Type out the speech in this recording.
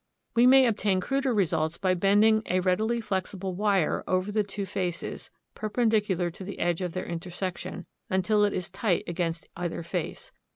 We may obtain cruder results by bending a readily flexible wire over the two faces, perpendicular to the edge of their intersection, until it is tight against either face.